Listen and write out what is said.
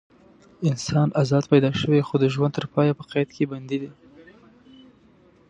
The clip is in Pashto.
انسان ازاد پیدا شوی خو د ژوند تر پایه په قید کې بندي دی.